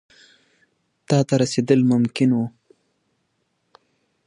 څېړونکي وايي، څه خورو، اغېز یې پر ځمکه دی.